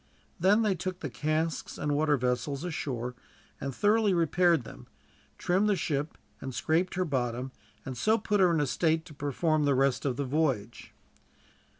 Then they took the casks and water vessels ashore and thoroughly repaired them, trimmed the ship and scraped her bottom, and so put her in a state to perform the rest of the voyage.